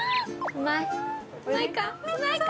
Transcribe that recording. うまいか？